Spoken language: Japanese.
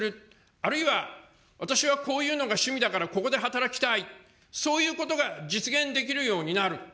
あるいは、私はこういうのが趣味だからここで働きたい、そういうことが実現できるようになる。